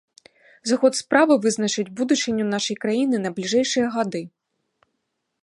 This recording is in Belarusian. Зыход справы вызначыць будучыню нашай краіны на бліжэйшыя гады.